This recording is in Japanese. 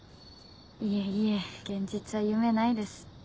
いえいえ現実は夢ないです。